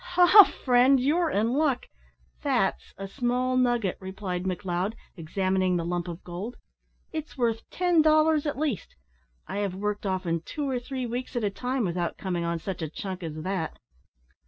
"Ha! friend, you're in luck. That's a small nugget," replied McLeod, examining the lump of gold. "It's worth ten dollars at least. I have worked often two or three weeks at a time without coming on such a chunk as that."